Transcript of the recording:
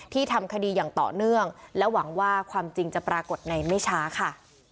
ทำคดีอย่างต่อเนื่องและหวังว่าความจริงจะปรากฏในไม่ช้าค่ะ